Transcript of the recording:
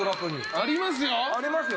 ありますよ。